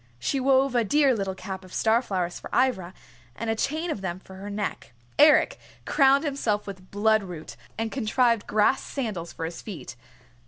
She wove a dear little cap of star flowers for Ivra, and a chain of them for her neck. Eric crowned himself with bloodroot and contrived grass sandals for his feet.